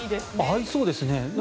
合いそうですね。